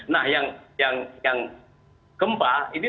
nah yang gempa ini